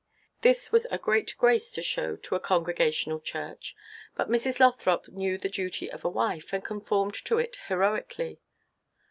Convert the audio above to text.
This was a great grace to show to a Congregational church, but Mrs. Lothrop knew the duty of a wife, and conformed to it heroically.